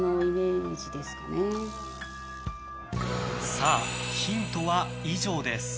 さあ、ヒントは以上です。